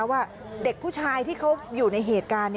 ว่าเด็กผู้ชายที่เขาอยู่ในเหตุการณ์